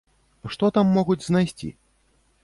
Што там могуць знайсці?